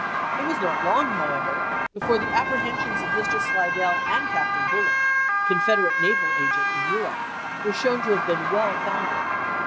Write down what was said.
It was not long, however, before the apprehensions of Mr. Slidell and Captain Bulloch, Confederate naval agent in Europe, were shown to have been well founded.